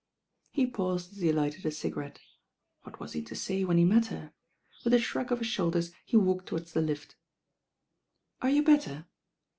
He paused as he lighted a cigarette. What was he to say when he met her ? With a shrug of his shoulders he walked towards the lift. "Are you better?"